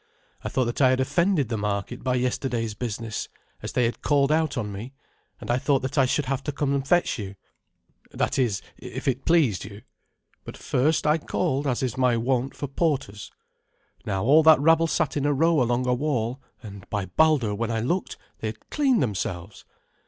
I thought that I had offended the market by yesterday's business, as they had called out on me, and I thought that I should have to come and fetch your that is, if it pleased you. But first I called, as is my wont, for porters. Now all that rabble sat in a row along a wall, and, by Baldur, when I looked, they had cleaned themselves!